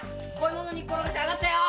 芋の煮っころがしあがったよ！